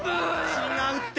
違うって！